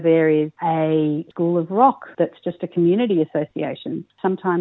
ada sekolah rock yang hanya asosiasi kecil kecil